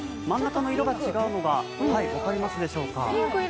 真ん中の色が違うのが分かりますでしょうか。